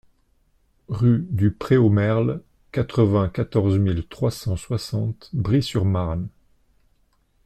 Rue du Pré Aux Merles, quatre-vingt-quatorze mille trois cent soixante Bry-sur-Marne